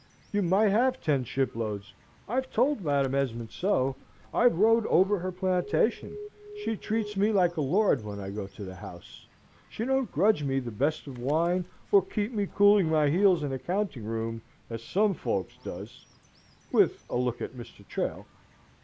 You might have ten shiploads: I've told Madam Esmond so; I've rode over her plantation; she treats me like a lord when I go to the house; she don't grudge me the best of wine, or keep me cooling my heels in the counting room as some folks does" (with a look at Mr. Trail).